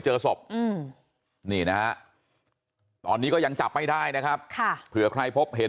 เจอศพนี่นะฮะตอนนี้ก็ยังจับไม่ได้นะครับค่ะเผื่อใครพบเห็น